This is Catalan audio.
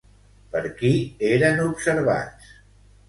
Per qui eren observats?